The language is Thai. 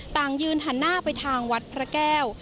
ต่างยืนหันหน้าไปทางวัดพระแก้ว